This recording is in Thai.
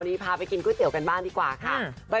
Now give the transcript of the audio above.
วันนี้พาไปกินก๋วยเตี๋ยวกันบ้างดีกว่าค่ะ